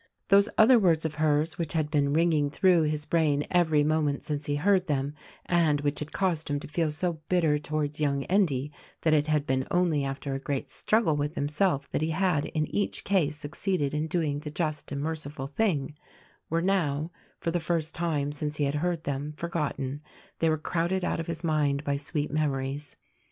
Those other words of hers which had been ringing through his brain every moment since he heard them — and which had caused him to feel so bitter towards young Endy that it had been only after a great struggle with himself that he had in each case succeeded in doing the just and merciful thing — were now, for the first time since he had heard them, forgotten; they were crowded out of his mind by sweet memories.